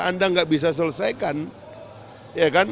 anda gak bisa selesaikan